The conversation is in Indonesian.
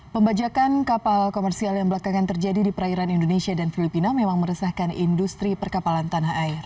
pembajakan kapal komersial yang belakangan terjadi di perairan indonesia dan filipina memang meresahkan industri perkapalan tanah air